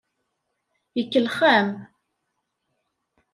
Ikellex-am.